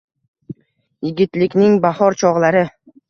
Yigitlikning bahor chog’lari.